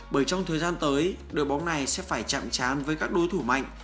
bởi trong thời gian tới đội bóng này sẽ phải chạm chán với các đối thủ mạnh